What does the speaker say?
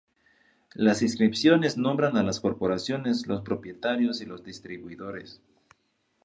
Las inscripciones nombran a las corporaciones, los propietarios y los distribuidores.